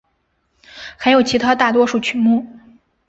还有其他大多数曲目。